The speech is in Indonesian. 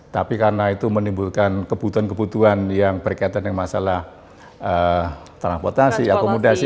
tapi karena itu menimbulkan kebutuhan kebutuhan yang berkaitan dengan masalah transportasi akomodasi